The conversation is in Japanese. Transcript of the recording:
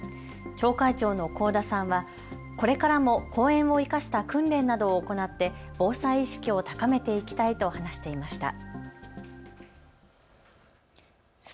町会長の國府田さんはこれからも公園を生かした訓練などを行って防災意識を高めていきたいと話していました。